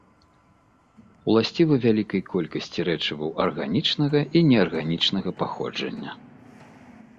Уласцівы вялікай колькасці рэчываў арганічнага і неарганічнага паходжання.